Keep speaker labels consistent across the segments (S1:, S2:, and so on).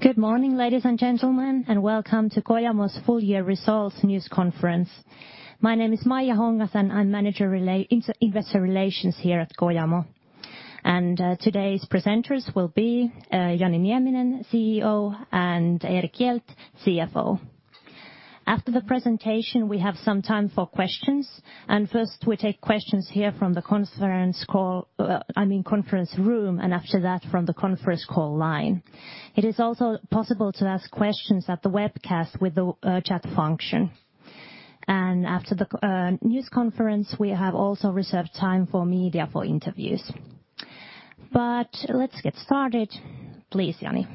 S1: Good morning, ladies and gentlemen, and welcome to Kojamo's full-year results news conference. My name is Maija Hongas, and I'm Manager of Investor Relations here at Kojamo. Today's presenters will be Jani Nieminen, CEO, and Erik Hjelt, CFO. After the presentation, we have some time for questions. First, we take questions here from the conference room, and after that, from the conference call line. It is also possible to ask questions at the webcast with the chat function. After the news conference, we have also reserved time for media for interviews. Let's get started. Please, Jani.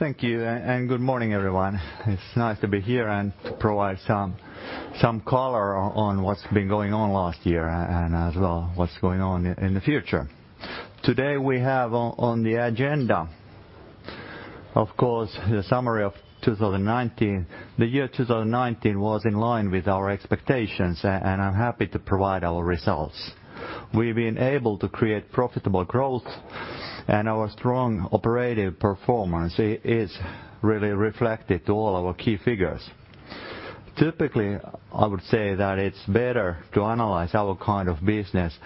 S2: Thank you, and good morning, everyone. It's nice to be here and to provide some color on what's been going on last year and as well what's going on in the future. Today we have on the agenda, of course, the summary of 2019. The year 2019 was in line with our expectations, and I'm happy to provide our results. We've been able to create profitable growth, and our strong operating performance is really reflected in all our key figures. Typically, I would say that it's better to analyze our kind of business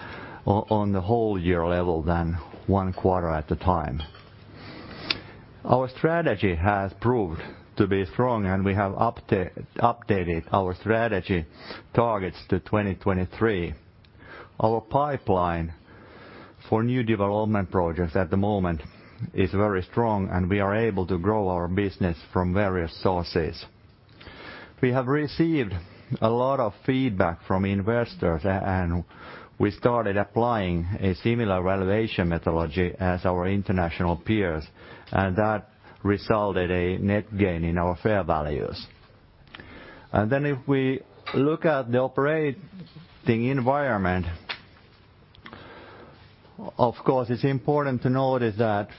S2: on the whole year level than one quarter at a time. Our strategy has proved to be strong, and we have updated our strategy targets to 2023. Our pipeline for new development projects at the moment is very strong, and we are able to grow our business from various sources. We have received a lot of feedback from investors, and we started applying a similar valuation methodology as our international peers, and that resulted in a net gain in our fair values. If we look at the operating environment, of course, it's important to notice that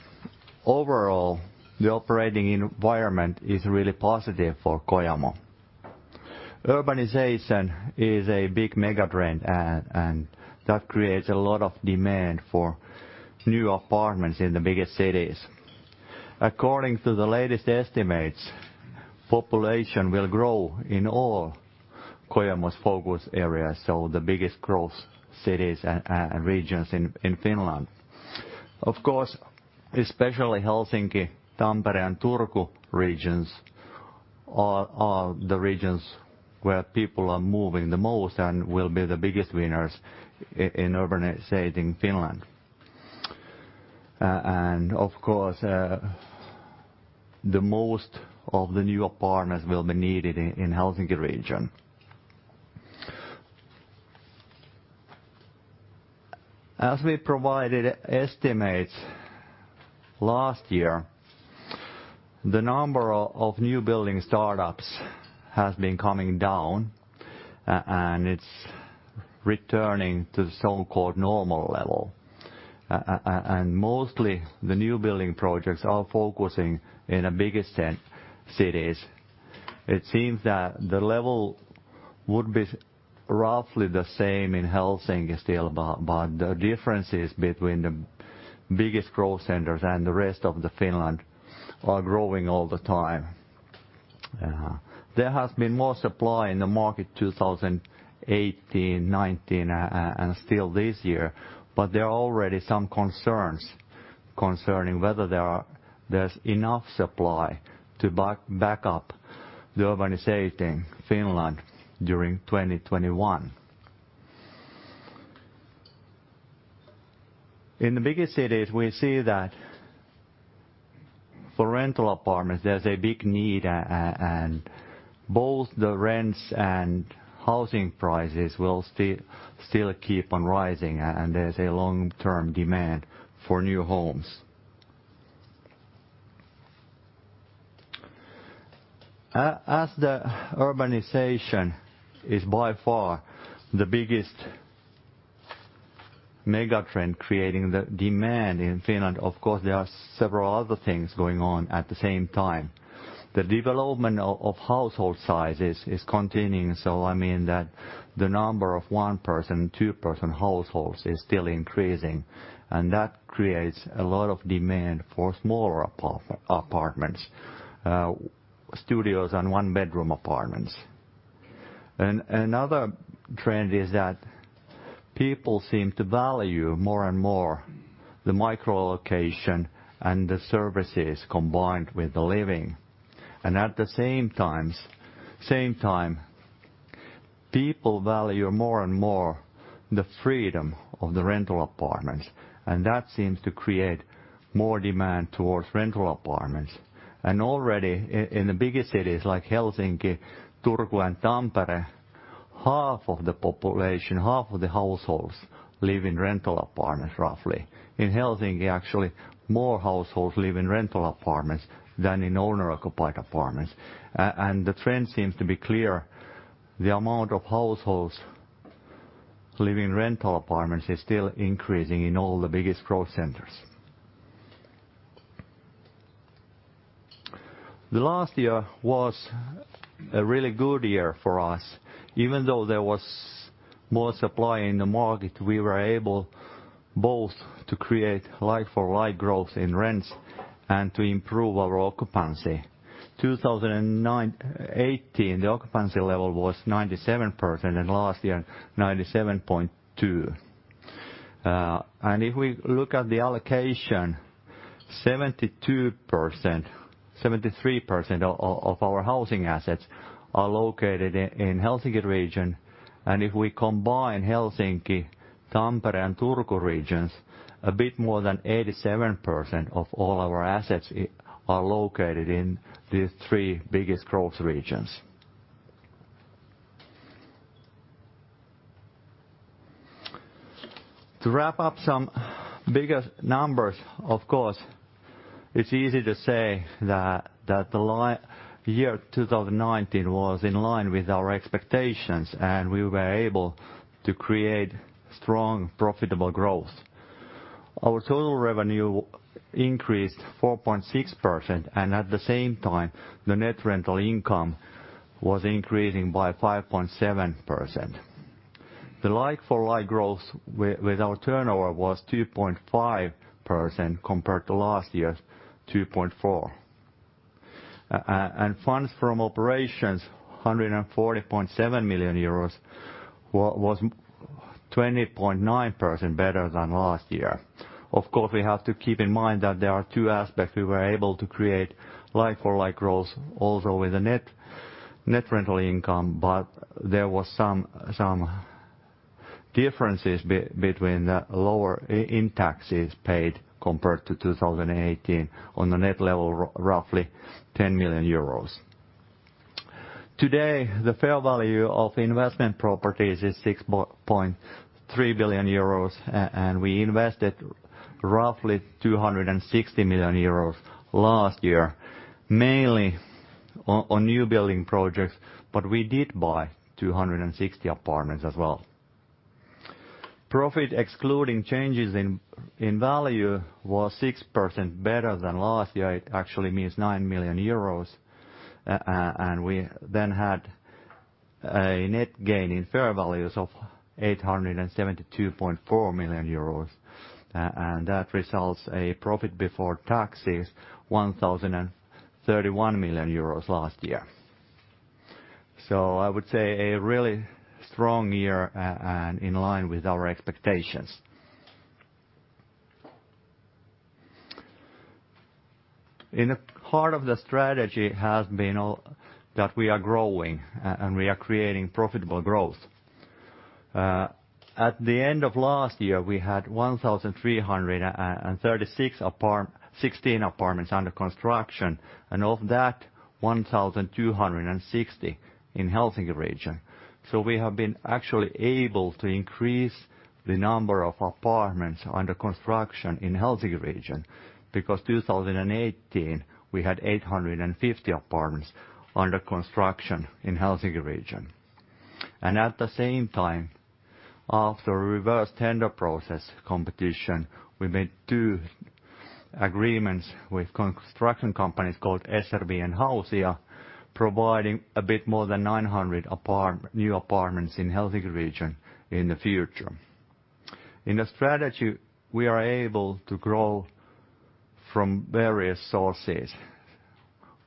S2: overall the operating environment is really positive for Kojamo. Urbanization is a big megatrend, and that creates a lot of demand for new apartments in the biggest cities. According to the latest estimates, population will grow in all Kojamo's focus areas, so the biggest growth cities and regions in Finland. Of course, especially Helsinki, Tampere, and Turku regions are the regions where people are moving the most and will be the biggest winners in urbanization in Finland. Of course, most of the new apartments will be needed in the Helsinki region. As we provided estimates last year, the number of new building startups has been coming down, and it's returning to the so-called normal level. Mostly, the new building projects are focusing in the biggest cities. It seems that the level would be roughly the same in Helsinki still, but the differences between the biggest growth centers and the rest of Finland are growing all the time. There has been more supply in the market in 2018, 2019, and still this year, but there are already some concerns concerning whether there's enough supply to back up the urbanization in Finland during 2021. In the biggest cities, we see that for rental apartments, there's a big need, and both the rents and housing prices will still keep on rising, and there's a long-term demand for new homes. As the urbanization is by far the biggest megatrend creating the demand in Finland, of course, there are several other things going on at the same time. The development of household sizes is continuing, so I mean that the number of one-person, two-person households is still increasing, and that creates a lot of demand for smaller apartments, studios, and one-bedroom apartments. Another trend is that people seem to value more and more the micro-location and the services combined with the living. At the same time, people value more and more the freedom of the rental apartments, and that seems to create more demand towards rental apartments. Already, in the biggest cities like Helsinki, Turku, and Tampere, half of the population, half of the households live in rental apartments, roughly. In Helsinki, actually, more households live in rental apartments than in owner-occupied apartments. The trend seems to be clear: the amount of households living in rental apartments is still increasing in all the biggest growth centers. The last year was a really good year for us. Even though there was more supply in the market, we were able both to create like-for-like growth in rents and to improve our occupancy. In 2018, the occupancy level was 97%, and last year, 97.2%. If we look at the allocation, 72%-73% of our housing assets are located in the Helsinki region, and if we combine Helsinki, Tampere, and Turku regions, a bit more than 87% of all our assets are located in these three biggest growth regions. To wrap up some bigger numbers, of course, it's easy to say that the year 2019 was in line with our expectations, and we were able to create strong, profitable growth. Our total revenue increased 4.6%, and at the same time, the net rental income was increasing by 5.7%. The like-for-like growth with our turnover was 2.5% compared to last year's 2.4%. Funds from operations, 140.7 million euros, was 20.9% better than last year. Of course, we have to keep in mind that there are two aspects: we were able to create like-for-like growth also with the net rental income, but there were some differences between the lower in taxes paid compared to 2018 on the net level, roughly 10 million euros. Today, the fair value of investment properties is 6.3 billion euros, and we invested roughly 260 million euros last year, mainly on new building projects, but we did buy 260 apartments as well. Profit excluding changes in value was 6% better than last year. It actually means 9 million euros, and we then had a net gain in fair values of 872.4 million euros, and that results in a profit before taxes of 1,031 million euros last year. I would say a really strong year and in line with our expectations. In the heart of the strategy has been that we are growing and we are creating profitable growth. At the end of last year, we had 1,336 apartments, 16 apartments under construction, and of that, 1,260 in the Helsinki region. We have been actually able to increase the number of apartments under construction in the Helsinki region because in 2018, we had 850 apartments under construction in the Helsinki region. At the same time, after a reverse tender process competition, we made two agreements with construction companies called SRV and Hausia, providing a bit more than 900 new apartments in the Helsinki region in the future. In the strategy, we are able to grow from various sources.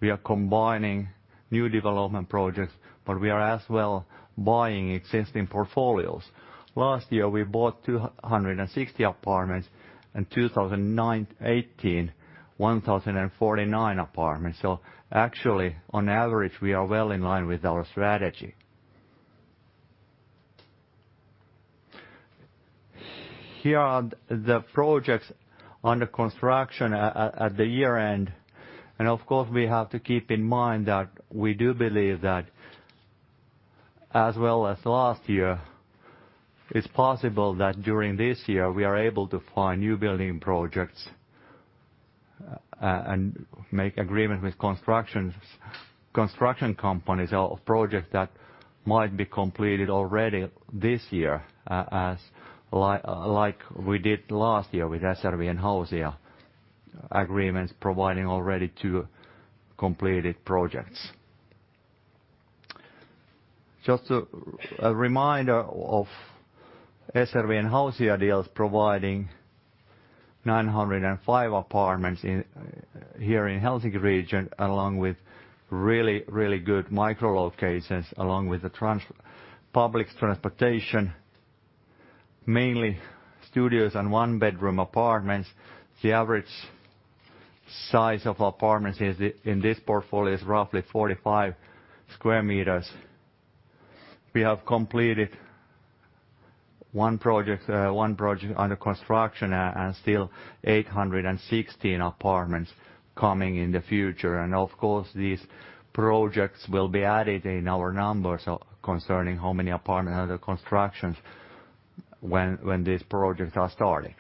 S2: We are combining new development projects, but we are as well buying existing portfolios. Last year, we bought 260 apartments, and in 2018, 1,049 apartments. Actually, on average, we are well in line with our strategy. Here are the projects under construction at the year-end, and of course, we have to keep in mind that we do believe that, as well as last year, it's possible that during this year we are able to find new building projects and make agreements with construction companies of projects that might be completed already this year, like we did last year with SRV and Hausia agreements providing already two completed projects. Just a reminder of SRV and Hausia deals providing 905 apartments here in the Helsinki region, along with really, really good micro-locations, along with the public transportation, mainly studios and one-bedroom apartments. The average size of apartments in this portfolio is roughly 45 sq m. We have completed one project under construction and still 816 apartments coming in the future. Of course, these projects will be added in our numbers concerning how many apartments under construction when these projects are started.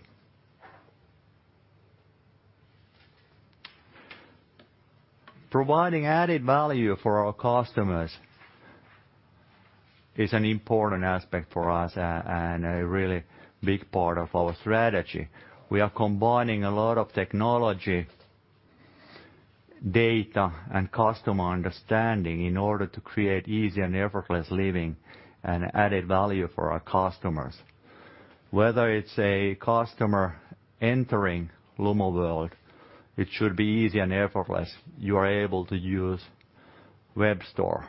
S2: Providing added value for our customers is an important aspect for us and a really big part of our strategy. We are combining a lot of technology, data, and customer understanding in order to create easy and effortless living and added value for our customers. Whether it's a customer entering LumoWorld, it should be easy and effortless. You are able to use WebStore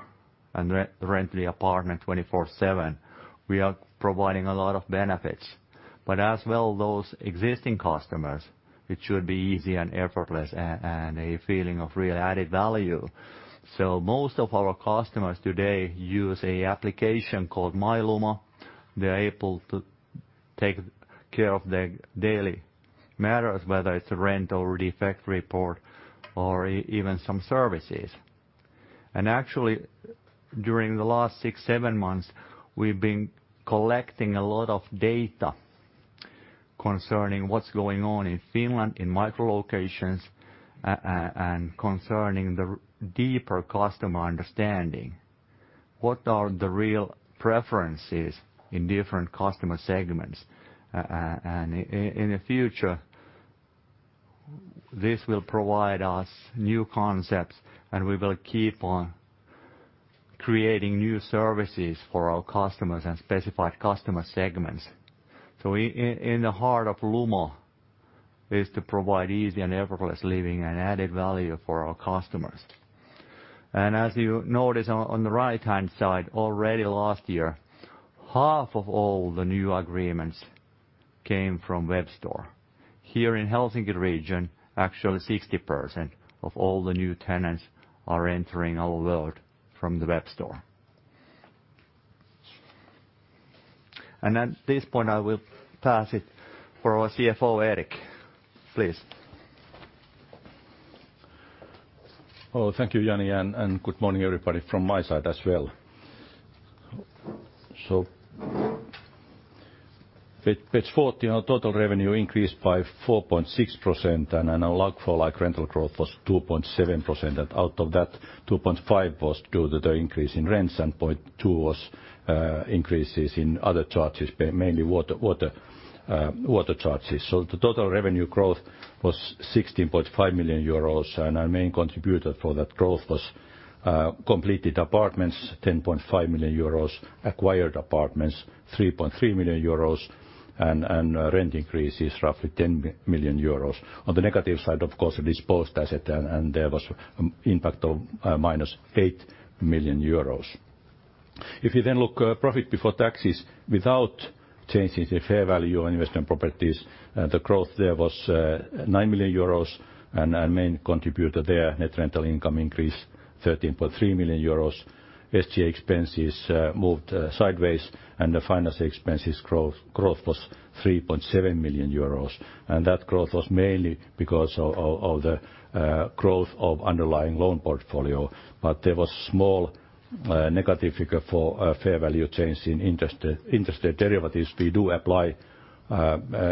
S2: and rent the apartment 24/7. We are providing a lot of benefits, but as well those existing customers, it should be easy and effortless and a feeling of real added value. Most of our customers today use an application called MyLumo. They're able to take care of their daily matters, whether it's a rental or defect report or even some services. Actually, during the last six to seven months, we've been collecting a lot of data concerning what's going on in Finland in micro-locations and concerning the deeper customer understanding. What are the real preferences in different customer segments? In the future, this will provide us new concepts, and we will keep on creating new services for our customers and specified customer segments. In the heart of Lumo is to provide easy and effortless living and added value for our customers. As you notice on the right-hand side, already last year, half of all the new agreements came from WebStore. Here in the Helsinki region, actually 60% of all the new tenants are entering our world from the WebStore. At this point, I will pass it for our CFO, Erik, please.
S3: Thank you, Jani, Niina, and good morning everybody from my side as well. Page 40, our total revenue increased by 4.6%, and our like-for-like rental growth was 2.7%. Out of that, 2.5% was due to the increase in rents, and 0.2% was increases in other charges, mainly water charges. The total revenue growth was 16.5 million euros, and our main contributor for that growth was completed apartments, 10.5 million euros, acquired apartments, 3.3 million euros, and rent increases roughly 10 million euros. On the negative side, of course, it is post-asset, and there was an impact of minus 8 million euros. If you then look at profit before taxes without changing the fair value on investment properties, the growth there was 9 million euros, and our main contributor there, net rental income increased 13.3 million euros. SGA expenses moved sideways, and the finance expenses growth was 3.7 million euros. That growth was mainly because of the growth of underlying loan portfolio, but there was a small negative figure for fair value change in interest derivatives. We do apply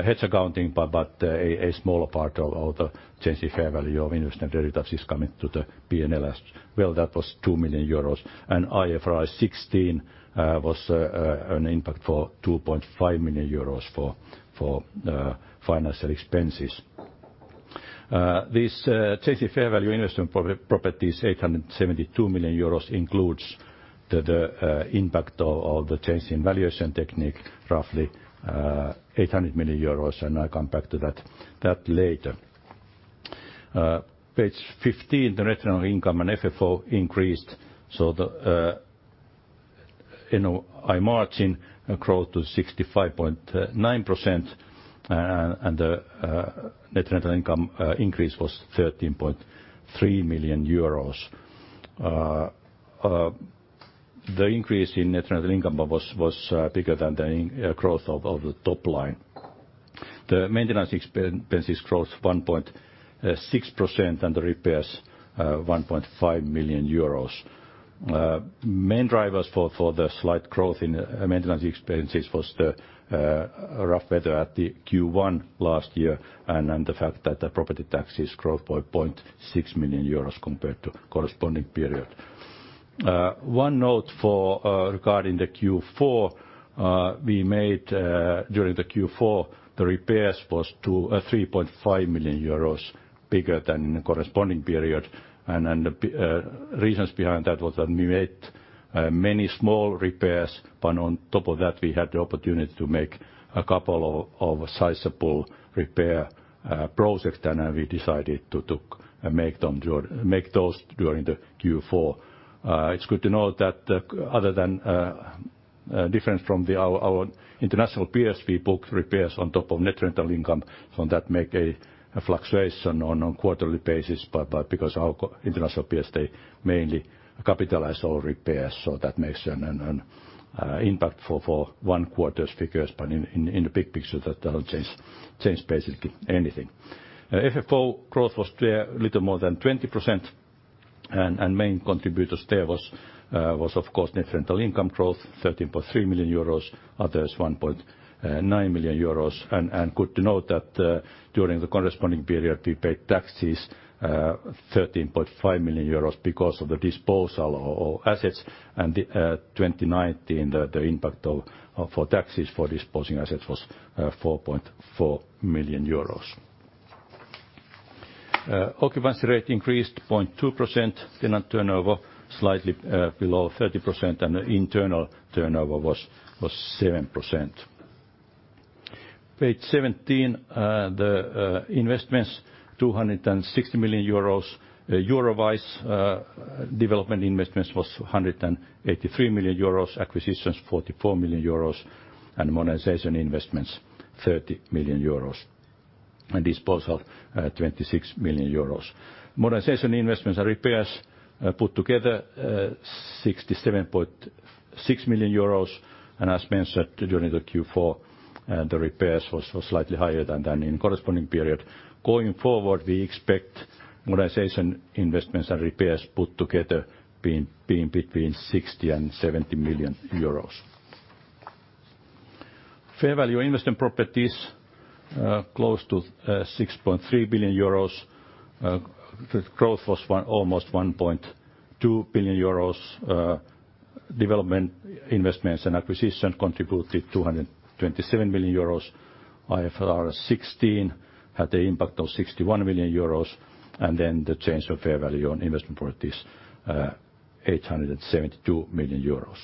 S3: hedge accounting, but a smaller part of the change in fair value of investment derivatives is coming to the P&L as well. That was 2 million euros, and IFRS 16 was an impact for 2.5 million euros for financial expenses. This change in fair value investment properties, 872 million euros, includes the impact of the change in valuation technique, roughly 800 million euros, and I'll come back to that later. Page 15, the net rental income and FFO increased, so the IMRC growth was 65.9%, and the net rental income increase was 13.3 million euros. The increase in net rental income was bigger than the growth of the top line. The maintenance expenses growth was 1.6%, and the repairs 1.5 million euros. Main drivers for the slight growth in maintenance expenses was the rough weather at the Q1 last year and the fact that the property taxes growth by 0.6 million euros compared to the corresponding period. One note regarding the Q4, we made during the Q4, the repairs were 3.5 million euros bigger than the corresponding period, and the reasons behind that was that we made many small repairs, but on top of that, we had the opportunity to make a couple of sizable repair projects, and we decided to make those during the Q4. It's good to know that other than difference from our international PSV book repairs on top of net rental income, that makes a fluctuation on a quarterly basis because our international PSV mainly capitalizes on repairs, so that makes an impact for one quarter's figures, but in the big picture, that doesn't change basically anything. FFO growth was a little more than 20%, and the main contributor there was, of course, net rental income growth, 13.3 million euros, others 1.9 million euros. Good to note that during the corresponding period, we paid taxes 13.5 million euros because of the disposal of assets, and in 2019, the impact for taxes for disposing assets was 4.4 million euros. Occupancy rate increased 0.2%, tenant turnover slightly below 30%, and internal turnover was 7%. Page 17, the investments, 260 million euros. 183 million euros development investments, 44 million euros acquisitions, and 30 million euros modernization investments, and disposal 26 million euros. Modernization investments and repairs put together 67.6 million euros, and as mentioned during the Q4, the repairs were slightly higher than in the corresponding period. Going forward, we expect modernization investments and repairs put together being between 60 million-70 million euros. Fair value investment properties close to 6.3 billion euros. The growth was almost 1.2 billion euros. Development investments and acquisitions contributed 227 million euros. IFRS 16 had an impact of 61 million euros, and then the change of fair value on investment properties was 872 million euros.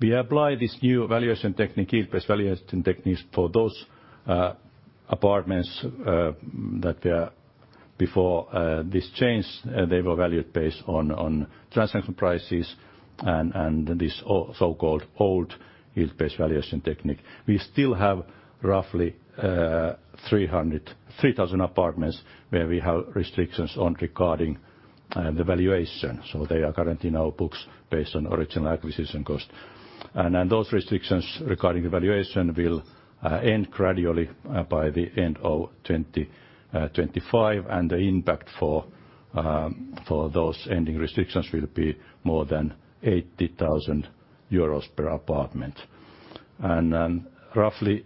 S3: We applied this new valuation technique, yield-based valuation technique, for those apartments that were before this change. They were valued based on transaction prices and this so-called old yield-based valuation technique. We still have roughly 3,000 apartments where we have restrictions regarding the valuation, so they are currently in our books based on original acquisition cost. Those restrictions regarding the valuation will end gradually by the end of 2025, and the impact for those ending restrictions will be more than 80,000 euros per apartment. Roughly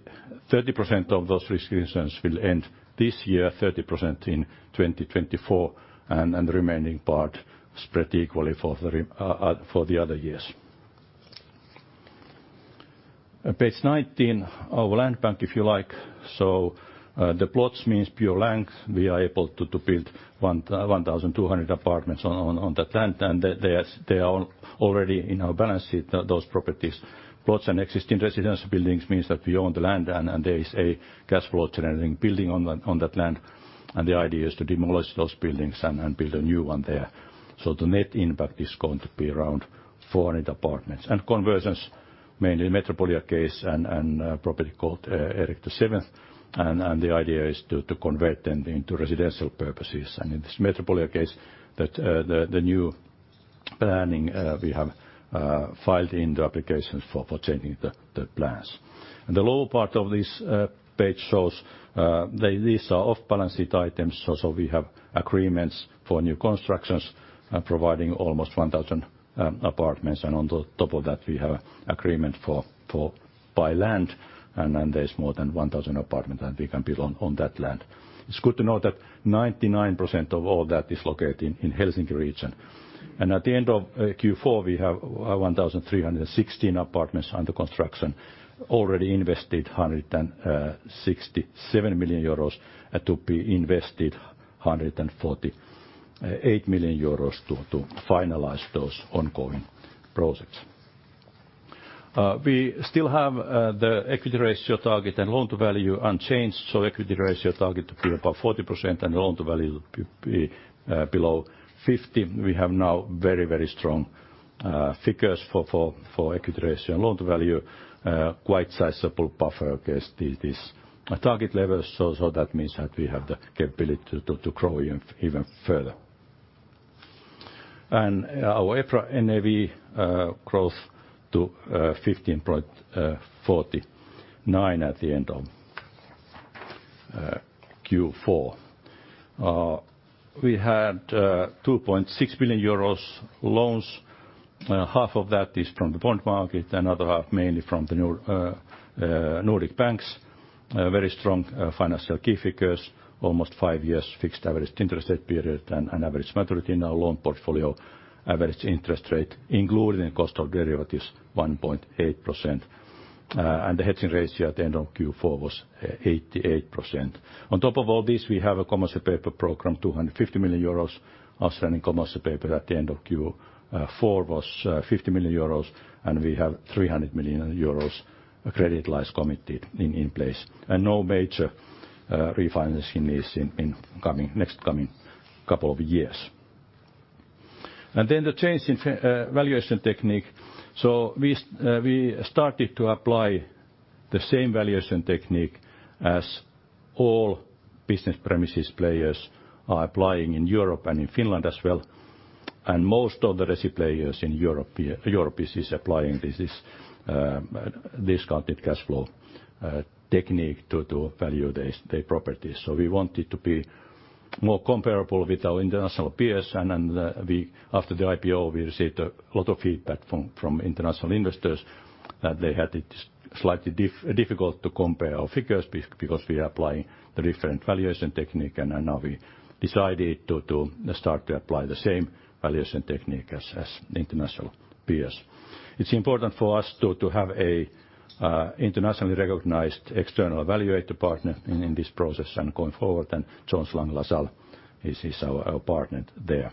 S3: 30% of those restrictions will end this year, 30% in 2024, and the remaining part spread equally for the other years. Page 19, our land bank, if you like. The plots mean pure land. We are able to build 1,200 apartments on that land, and they are already in our balance sheet, those properties. Plots and existing residential buildings means that we own the land, and there is a cash flow generating building on that land, and the idea is to demolish those buildings and build a new one there. The net impact is going to be around 400 apartments. Conversions, mainly Metropolia case and property called Erik the 7th, and the idea is to convert them into residential purposes. In this Metropolia case, the new planning, we have filed in the applications for changing the plans. The lower part of this page shows these are off-balance sheet items, so we have agreements for new constructions providing almost 1,000 apartments, and on the top of that, we have an agreement by land, and there is more than 1,000 apartments that we can build on that land. It is good to know that 99% of all that is located in the Helsinki region. At the end of Q4, we have 1,316 apartments under construction, already invested 167 million euros, and to be invested 148 million euros to finalize those ongoing projects.
S2: We still have the equity ratio target and loan to value unchanged, so equity ratio target to be about 40%, and the loan to value to be below 50%.
S3: We have now very, very strong figures for equity ratio and loan to value, quite sizable buffer against these target levels, so that means that we have the capability to grow even further. Our EPRA NAV growth to 15.49 at the end of Q4. We had 2.6 billion euros loans. Half of that is from the bond market, another half mainly from the Nordic banks. Very strong financial key figures, almost five years fixed average interest rate period and average maturity in our loan portfolio, average interest rate included in the cost of derivatives, 1.8%. The hedging ratio at the end of Q4 was 88%. On top of all this, we have a commercial paper program, 250 million euros. Outstanding commercial paper at the end of Q4 was 50 million euros, and we have 300 million euros credit lines committed in place. No major refinancing needs in the next coming couple of years. The change in valuation technique. We started to apply the same valuation technique as all business premises players are applying in Europe and in Finland as well, and most of the recipients in Europe are applying this discounted cash flow technique to value their properties. We wanted to be more comparable with our international peers, and after the IPO, we received a lot of feedback from international investors that they had it slightly difficult to compare our figures because we are applying a different valuation technique, and now we decided to start to apply the same valuation technique as international peers. It's important for us to have an internationally recognized external valuator partner in this process going forward, and Jones Lang LaSalle is our partner there.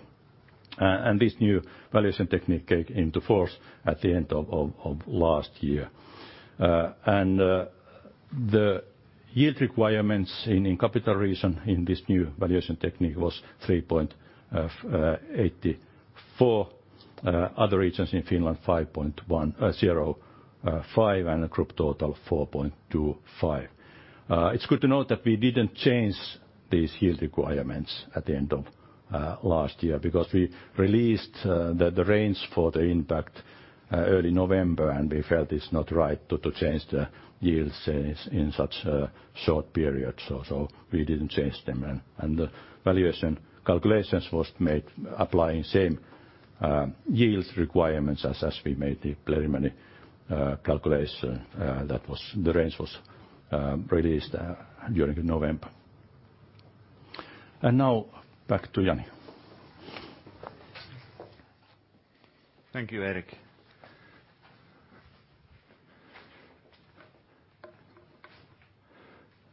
S3: This new valuation technique came into force at the end of last year. The yield requirements in capital region in this new valuation technique was 3.84%, other regions in Finland 5.05%, and a group total of 4.25%. It's good to note that we didn't change these yield requirements at the end of last year because we released the range for the impact early November, and we felt it's not right to change the yields in such a short period, so we didn't change them. The valuation calculations were made applying same yield requirements as we made the preliminary calculation. The range was released during November. Now, back to Jani.
S2: Thank you, Erik.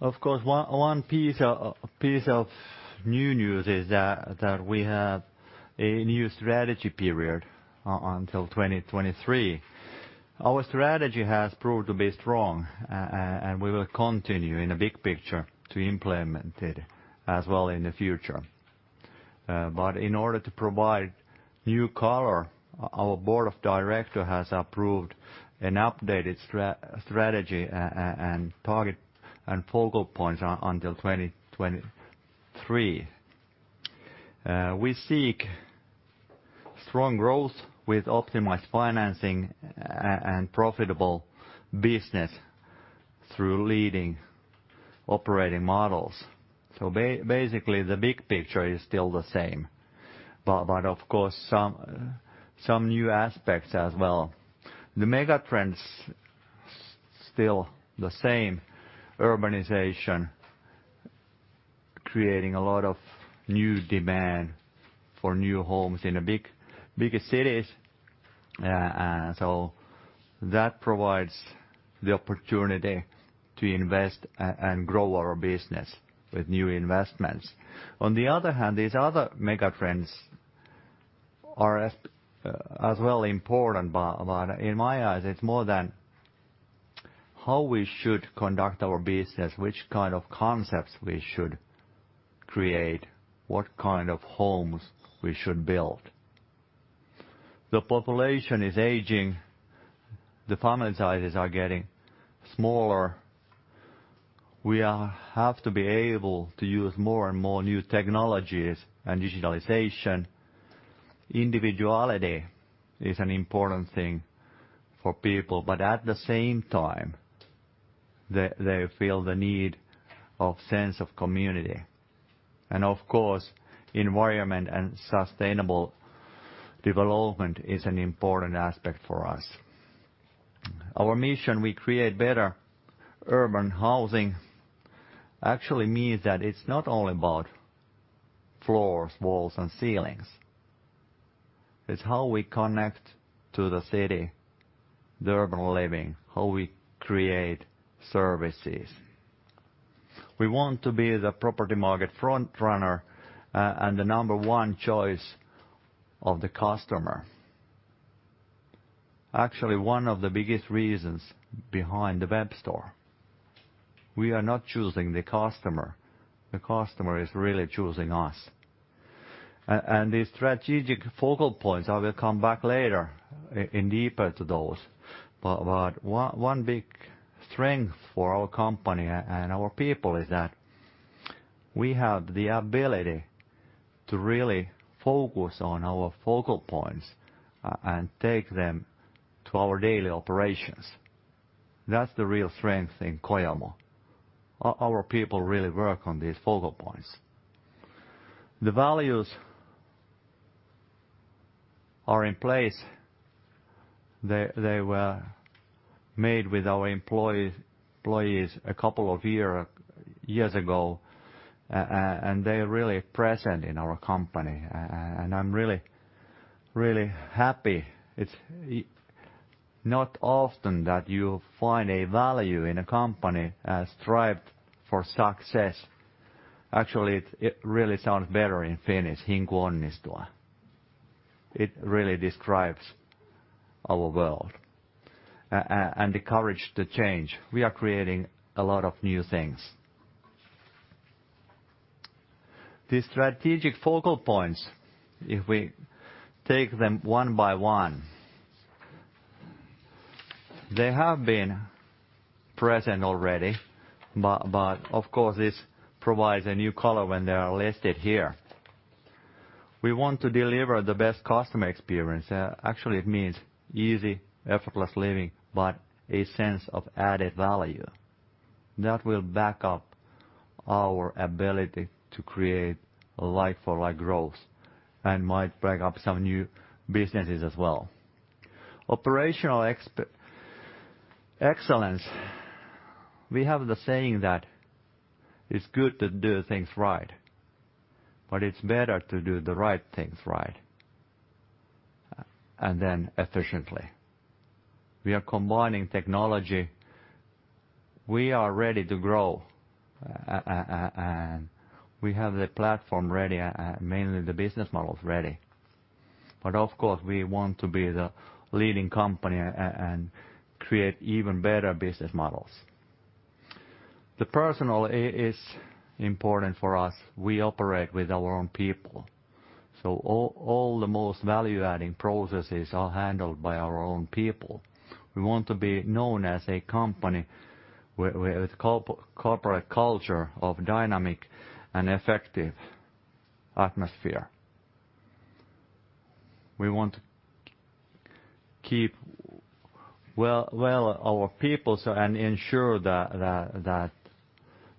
S2: Of course, one piece of new news is that we have a new strategy period until 2023. Our strategy has proved to be strong, and we will continue in the big picture to implement it as well in the future. In order to provide new color, our board of directors has approved an updated strategy and target and focal points until 2023. We seek strong growth with optimized financing and profitable business through leading operating models. Basically, the big picture is still the same, but of course, some new aspects as well. The megatrends are still the same: urbanization creating a lot of new demand for new homes in the bigger cities, so that provides the opportunity to invest and grow our business with new investments. On the other hand, these other megatrends are as well important, but in my eyes, it's more than how we should conduct our business, which kind of concepts we should create, what kind of homes we should build. The population is aging, the family sizes are getting smaller. We have to be able to use more and more new technologies and digitalization. Individuality is an important thing for people, but at the same time, they feel the need of a sense of community. Of course, environment and sustainable development is an important aspect for us. Our mission, we create better urban housing, actually means that it's not only about floors, walls, and ceilings. It's how we connect to the city, the urban living, how we create services. We want to be the property market front runner and the number one choice of the customer. Actually, one of the biggest reasons behind the WebStore. We are not choosing the customer. The customer is really choosing us. The strategic focal points, I will come back later in deeper to those, but one big strength for our company and our people is that we have the ability to really focus on our focal points and take them to our daily operations. That's the real strength in Kojamo. Our people really work on these focal points. The values are in place. They were made with our employees a couple of years ago, and they are really present in our company. I'm really, really happy. It's not often that you find a value in a company as strived for success. Actually, it really sounds better in Finnish, Hinku onnistua. It really describes our world and the courage to change. We are creating a lot of new things. The strategic focal points, if we take them one by one, they have been present already, but of course, this provides a new color when they are listed here. We want to deliver the best customer experience. Actually, it means easy, effortless living, but a sense of added value that will back up our ability to create a life-for-life growth and might bring up some new businesses as well. Operational excellence. We have the saying that it's good to do things right, but it's better to do the right things right and then efficiently. We are combining technology. We are ready to grow, and we have the platform ready, mainly the business models ready. Of course, we want to be the leading company and create even better business models. The personal is important for us. We operate with our own people, so all the most value-adding processes are handled by our own people. We want to be known as a company with a corporate culture of dynamic and effective atmosphere. We want to keep well our people and ensure that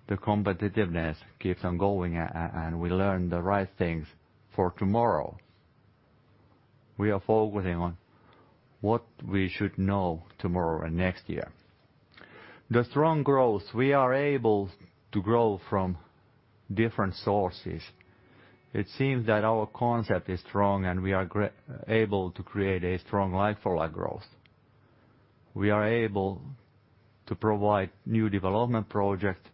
S2: the competitiveness keeps on going and we learn the right things for tomorrow. We are focusing on what we should know tomorrow and next year. The strong growth. We are able to grow from different sources. It seems that our concept is strong, and we are able to create a strong like-for-like growth. We are able to provide new development projects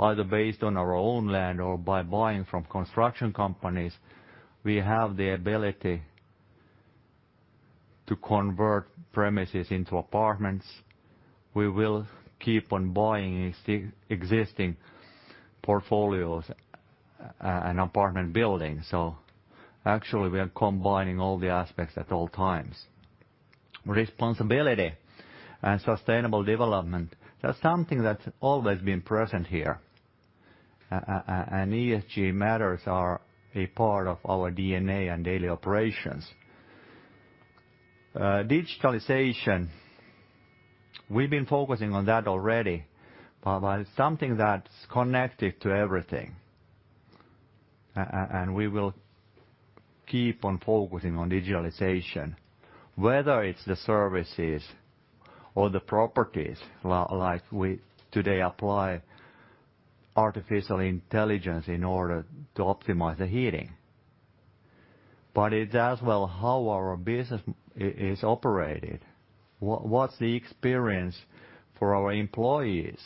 S2: either based on our own land or by buying from construction companies. We have the ability to convert premises into apartments. We will keep on buying existing portfolios and apartment buildings. Actually, we are combining all the aspects at all times. Responsibility and sustainable development. That's something that's always been present here. ESG matters are a part of our DNA and daily operations. Digitalization. We've been focusing on that already, but it's something that's connected to everything. We will keep on focusing on digitalization, whether it's the services or the properties. Like we today apply artificial intelligence in order to optimize the heating. It's as well how our business is operated. What's the experience for our employees?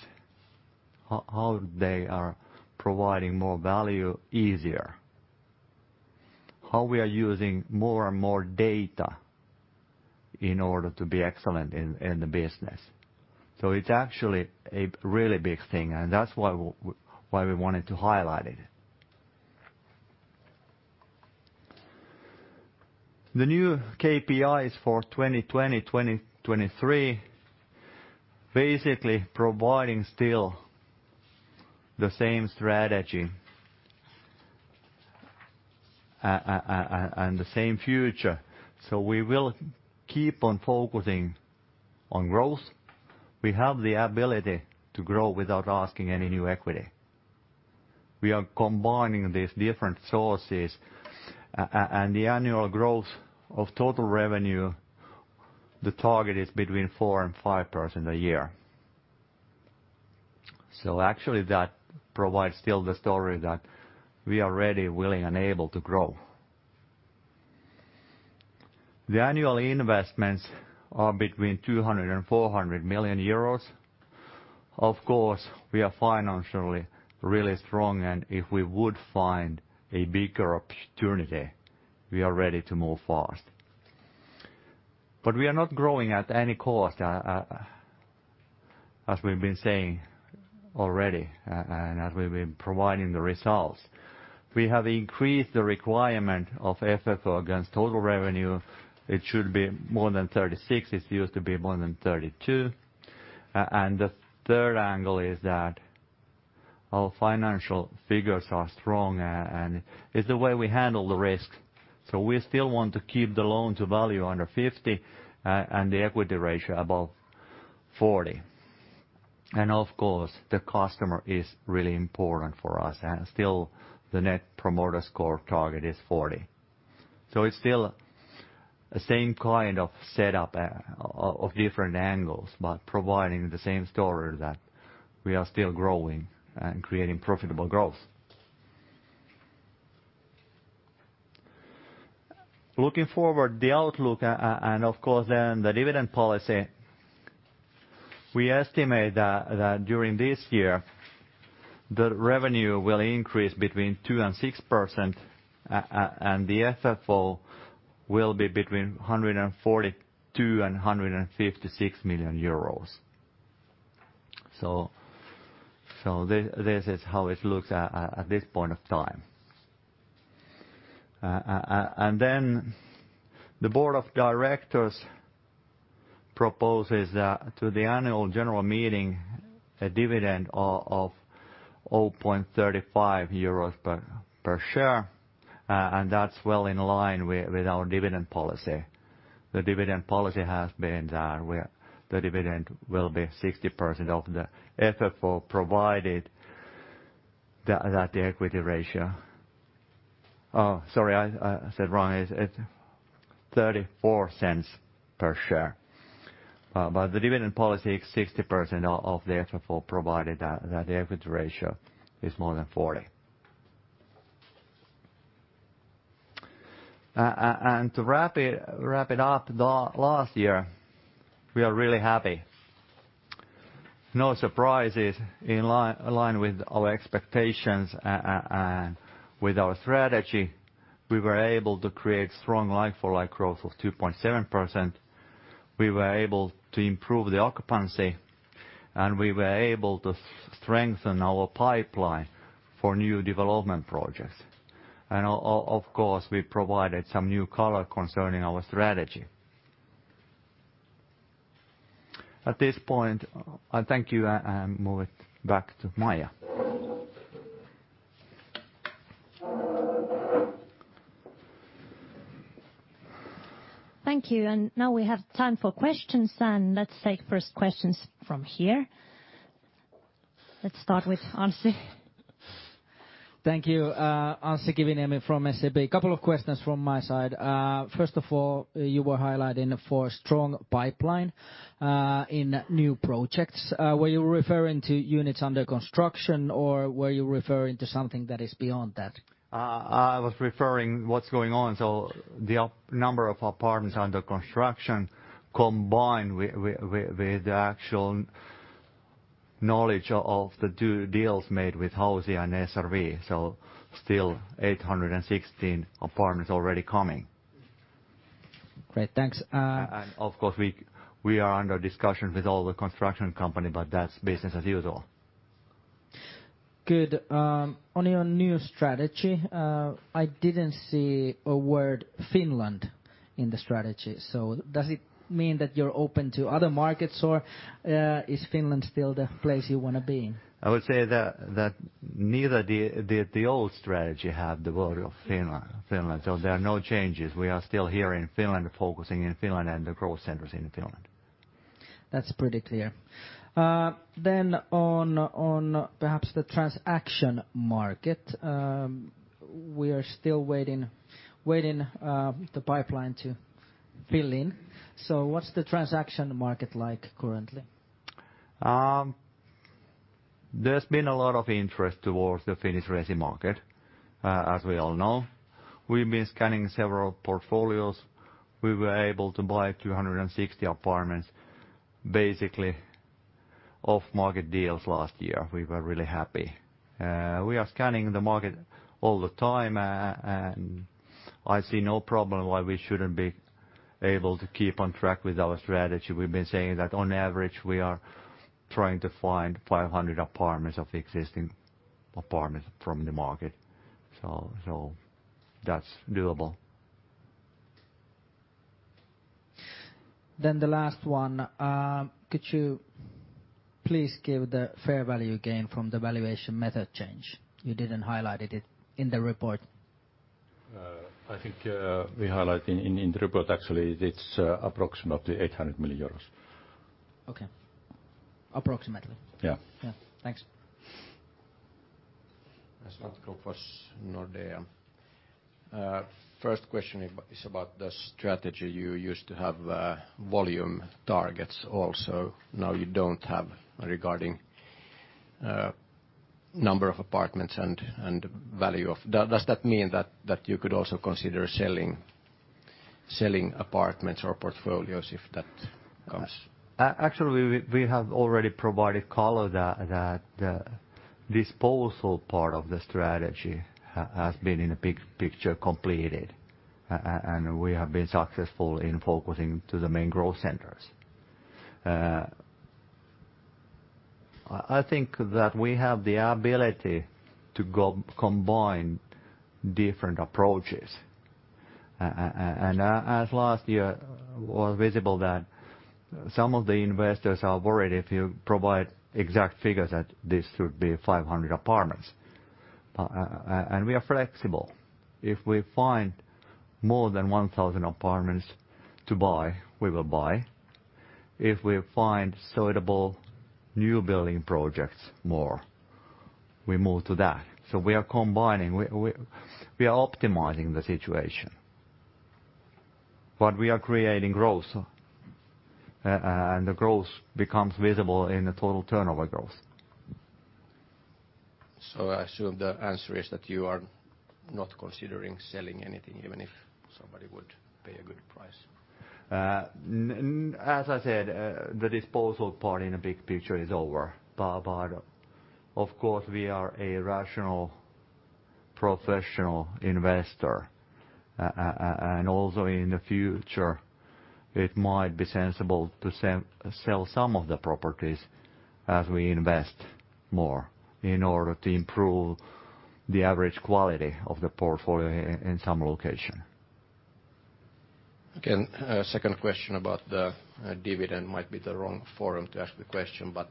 S2: How they are providing more value easier? How we are using more and more data in order to be excellent in the business. It's actually a really big thing, and that's why we wanted to highlight it. The new KPIs for 2020-2023 basically providing still the same strategy and the same future. We will keep on focusing on growth. We have the ability to grow without asking any new equity. We are combining these different sources, and the annual growth of total revenue, the target is between 4% and 5% a year. Actually, that provides still the story that we are ready, willing, and able to grow. The annual investments are between 200 million euros and 400 million euros. Of course, we are financially really strong, and if we would find a bigger opportunity, we are ready to move fast. We are not growing at any cost, as we've been saying already, and as we've been providing the results. We have increased the requirement of FFO against total revenue. It should be more than 36%. It used to be more than 32%. The third angle is that our financial figures are strong, and it's the way we handle the risk. We still want to keep the loan-to-value under 50% and the equity ratio above 40%. Of course, the customer is really important for us, and still the net promoter score target is 40. It's still the same kind of setup of different angles, but providing the same story that we are still growing and creating profitable growth. Looking forward, the outlook and of course then the dividend policy. We estimate that during this year, the revenue will increase between 2% and 6%, and the FFO will be between 142 million euros and 156 million euros. This is how it looks at this point of time. The board of directors proposes to the annual general meeting a dividend of 0.35 euros per share, and that's well in line with our dividend policy. The dividend policy has been that the dividend will be 60% of the FFO provided that the equity ratio. Sorry, I said wrong. It's 0.34 per share. The dividend policy is 60% of the FFO provided that the equity ratio is more than 40%. To wrap it up, last year we are really happy. No surprises, in line with our expectations and with our strategy. We were able to create strong like-for-like growth of 2.7%. We were able to improve the occupancy, and we were able to strengthen our pipeline for new development projects. Of course, we provided some new color concerning our strategy. At this point, I thank you and move it back to Maija.
S1: Thank you. Now we have time for questions, and let's take first questions from here. Let's start with Anssi.
S4: Thank you, Ansi Kiviniemi from SEB. A couple of questions from my side. First of all, you were highlighting for a strong pipeline in new projects. Were you referring to units under construction, or were you referring to something that is beyond that?
S3: I was referring to what's going on. The number of apartments under construction combined with the actual knowledge of the deals made with Kojamo and SRV. Still, 816 apartments already coming.
S4: Great. Thanks.
S3: Of course, we are under discussion with all the construction companies, but that's business as usual.
S4: Good. On your new strategy, I didn't see a word Finland in the strategy. Does it mean that you're open to other markets, or is Finland still the place you want to be?
S3: I would say that neither did the old strategy have the word Finland. There are no changes. We are still here in Finland, focusing in Finland and the growth centers in Finland.
S4: That's pretty clear. On perhaps the transaction market, we are still waiting the pipeline to fill in. What's the transaction market like currently?
S3: There's been a lot of interest towards the Finnish resi market, as we all know. We've been scanning several portfolios. We were able to buy 260 apartments basically off-market deals last year. We were really happy. We are scanning the market all the time, and I see no problem why we shouldn't be able to keep on track with our strategy. We've been saying that on average we are trying to find 500 apartments of existing apartments from the market. That's doable.
S4: The last one. Could you please give the fair value gain from the valuation method change? You didn't highlight it in the report.
S3: I think we highlighted in the report, actually, it's approximately 800 million euros.
S4: Okay. Approximately?
S3: Yeah.
S4: Thanks. First question is about the strategy. You used to have volume targets also. Now you do not have regarding number of apartments and value of. Does that mean that you could also consider selling apartments or portfolios if that comes?
S3: Actually, we have already provided color that this whole part of the strategy has been in the big picture completed, and we have been successful in focusing to the main growth centers. I think that we have the ability to combine different approaches. As last year was visible that some of the investors are worried if you provide exact figures that this would be 500 apartments. We are flexible. If we find more than 1,000 apartments to buy, we will buy. If we find suitable new building projects more, we move to that. We are combining. We are optimizing the situation. We are creating growth, and the growth becomes visible in the total turnover growth.
S4: I assume the answer is that you are not considering selling anything even if somebody would pay a good price.
S3: As I said, the disposal part in the big picture is over. Of course, we are a rational professional investor. Also, in the future, it might be sensible to sell some of the properties as we invest more in order to improve the average quality of the portfolio in some location.
S4: Second question about the dividend might be the wrong forum to ask the question, but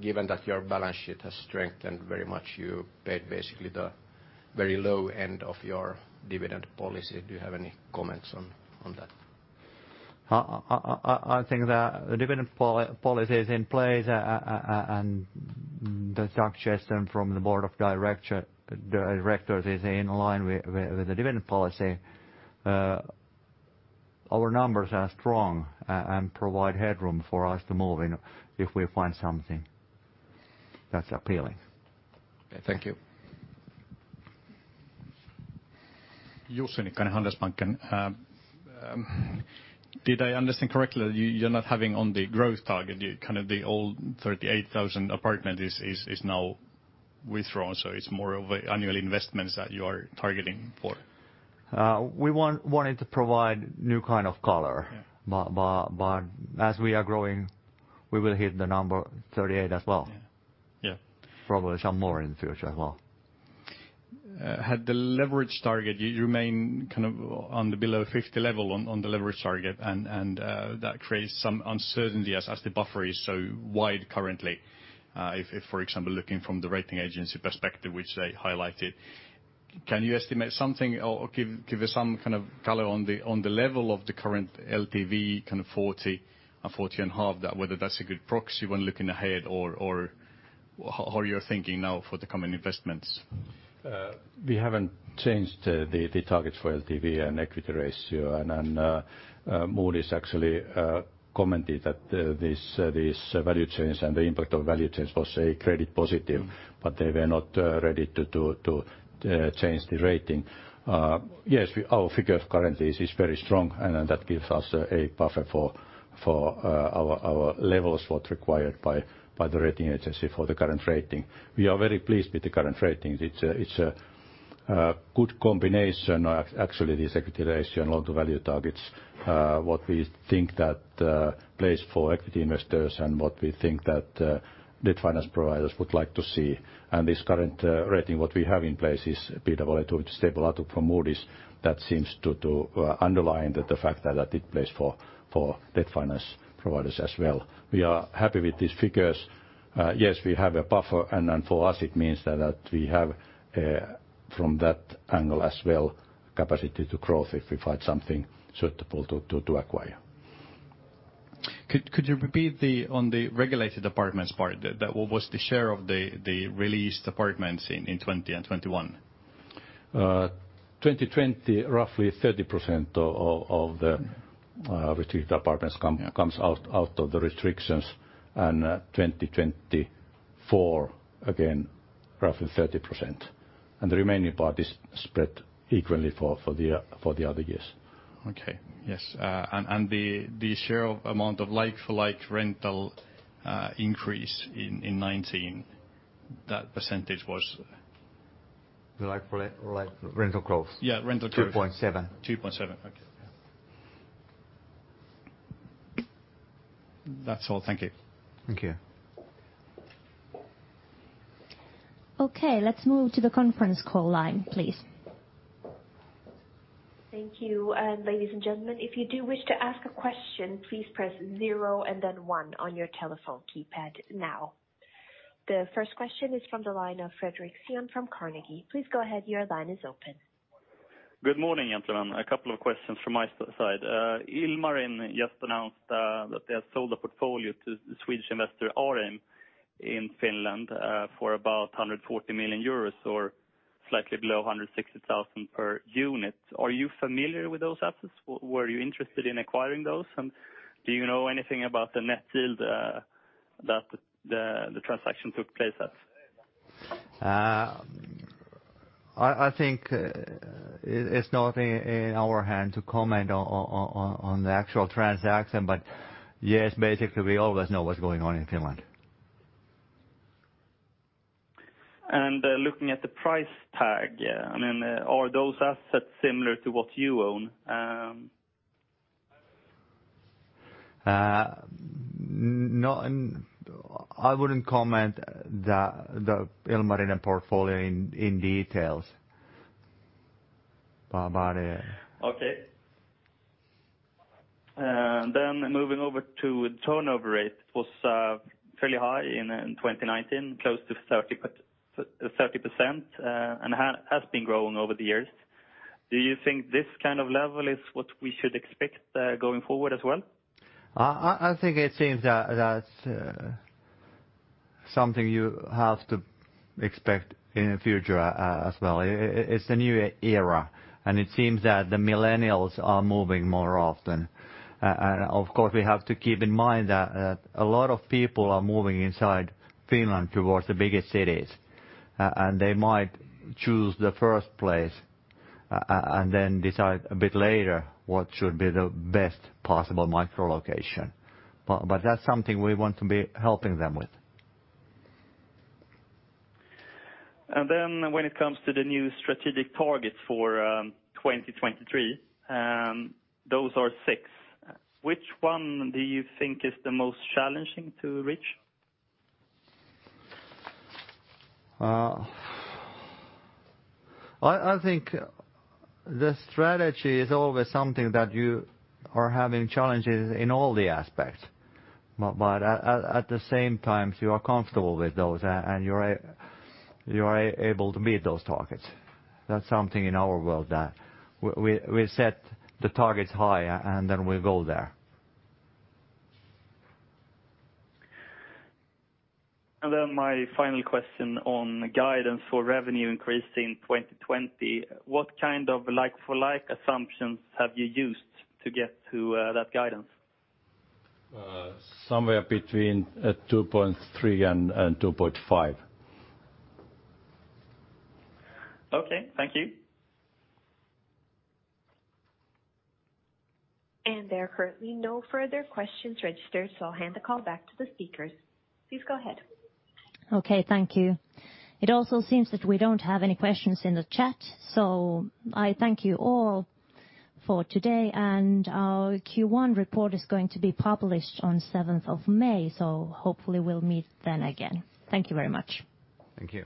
S4: given that your balance sheet has strengthened very much, you paid basically the very low end of your dividend policy. Do you have any comments on that?
S2: I think that the dividend policy is in place, and the suggestion from the board of directors is in line with the dividend policy. Our numbers are strong and provide headroom for us to move if we find something that's appealing.
S4: Thank you.
S5: Jussi Nikkanen, Handelsbanken. Did I understand correctly that you're not having on the growth target? The old 38,000 apartment is now withdrawn, so it's more of annual investments that you are targeting for?
S2: We wanted to provide new kind of color, but as we are growing, we will hit the number 38 as well. Probably some more in the future as well.
S5: Had the leverage target, you remain on the below 50 level on the leverage target, and that creates some uncertainty as the buffer is so wide currently. If, for example, looking from the rating agency perspective, which they highlighted, can you estimate something or give us some color on the level of the current LTV, 40.5, whether that's a good proxy when looking ahead or how you're thinking now for the coming investments?
S2: We haven't changed the targets for LTV and equity ratio. Moody's actually commented that this value change and the impact of value change was a credit positive, but they were not ready to change the rating. Yes, our figure currently is very strong, and that gives us a buffer for our levels, what's required by the rating agency for the current rating. We are very pleased with the current rating. It's a good combination, actually, this equity ratio and all the value targets, what we think that plays for equity investors and what we think that debt finance providers would like to see. This current rating what we have in place is PWA2 to stable outlook from Moody's. That seems to underline the fact that it plays for debt finance providers as well. We are happy with these figures. Yes, we have a buffer, and for us, it means that we have, from that angle as well, capacity to growth if we find something suitable to acquire.
S5: Could you repeat on the regulated apartments part? What was the share of the released apartments in 2021?
S2: 2020, roughly 30% of the restricted apartments comes out of the restrictions, and 2024, again, roughly 30%. The remaining part is spread equally for the other years.
S5: Okay. Yes. The share of amount of like-for-like rental increase in 2019, that percentage was? The like-for-like rental growth?
S2: Yeah, rental growth. 2.7%. 2.7%.
S5: Okay. That's all. Thank you. Thank you.
S1: Okay. Let's move to the conference call line, please. Thank you. Ladies and gentlemen, if you do wish to ask a question, please press zero and then one on your telephone keypad now. The first question is from the line of Frederik Sian from Carnegie. Please go ahead. Your line is open. Good morning, gentlemen. A couple of questions from my side. Ilmarinen just announced that they have sold a portfolio to Swedish investor ARIM in Finland for about 140 million euros or slightly below 160,000 per unit. Are you familiar with those assets? Were you interested in acquiring those? Do you know anything about the net yield that the transaction took place at?
S2: I think it's not in our hand to comment on the actual transaction, but yes, basically, we always know what's going on in Finland. Looking at the price tag, are those assets similar to what you own? I wouldn't comment that the Ilmarinen portfolio in details. Moving over to the turnover rate, it was fairly high in 2019, close to 30%, and has been growing over the years. Do you think this kind of level is what we should expect going forward as well? I think it seems that's something you have to expect in the future as well. It's a new era, and it seems that the millennials are moving more often. Of course, we have to keep in mind that a lot of people are moving inside Finland towards the biggest cities, and they might choose the first place and then decide a bit later what should be the best possible micro-location. That is something we want to be helping them with. When it comes to the new strategic targets for 2023, those are six. Which one do you think is the most challenging to reach? I think the strategy is always something that you are having challenges in all the aspects, but at the same time, you are comfortable with those and you are able to meet those targets. That is something in our world that we set the targets high and then we go there. My final question on guidance for revenue increase in 2020. What kind of like-for-like assumptions have you used to get to that guidance? Somewhere between 2.3 and 2.5. Okay. Thank you.
S1: There are currently no further questions registered, so I'll hand the call back to the speakers. Please go ahead. Okay. Thank you. It also seems that we don't have any questions in the chat, so I thank you all for today. Our Q1 report is going to be published on 7th of May, so hopefully we'll meet then again. Thank you very much.
S2: Thank you.